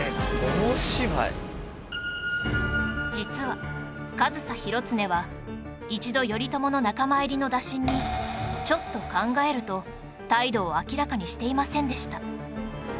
実は上総広常は一度頼朝の仲間入りの打診に「ちょっと考える」と態度を明らかにしていませんでした